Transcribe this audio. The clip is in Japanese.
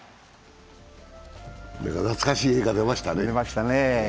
懐かしい画が出ましたね。